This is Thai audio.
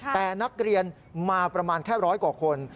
แต่นักเรียนมาประมาณแค่ร้อยกว่าคน